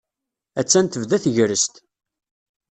Hattan tebda tegrest.